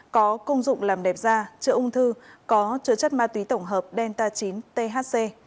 có công dụng làm đẹp da chữa ung thư có chứa chất ma túy tổng hợp delta chín thc